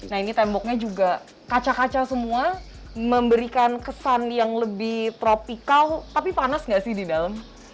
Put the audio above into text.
nah ini temboknya juga kaca kaca semua memberikan kesan yang lebih tropikal tapi panas nggak sih di dalam